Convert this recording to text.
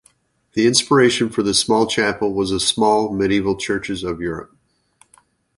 The inspiration for this small chapel was the small medieval churches of Europe.